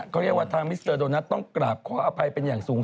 คือว่าทางมิสเตอร์โดนัตต้องกราบข้ออภัยเป็นอย่างสูง